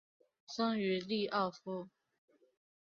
生于利沃夫。